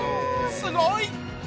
すごーい！